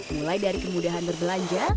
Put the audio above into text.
mulai dari kemudahan berbelanja